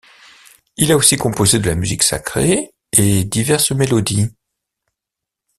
Il a aussi composé de la musique sacrée et diverses mélodies.